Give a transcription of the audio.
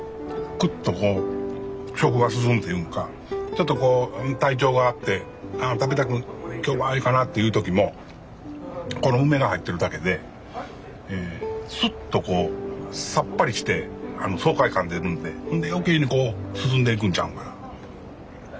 クッとこう食が進むというんかちょっとこう体調が悪くて今日はええかなという時もこの梅が入ってるだけでスッとこうさっぱりして爽快感出るんでほんで余計にこう進んでいくんちゃうんかな。